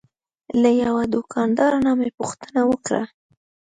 له یوه دوکاندار نه مې پوښتنه وکړه.